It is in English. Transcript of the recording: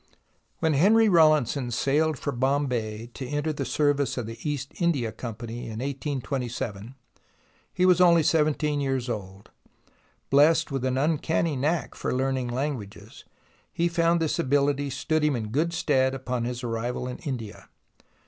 When Henry Rawlinson sailed for Bombay to enter the service of the East India Company in 1827, he was only seventeen years old. Blessed with an uncanny knack for learning languages, he found this ability stood him in good stead upon his arrival in India.